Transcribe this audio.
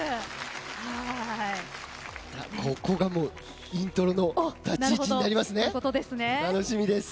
ここがイントロの立ち位置になりますね。